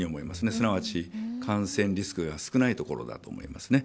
すなわち、感染リスクが少ないところだと思いますね。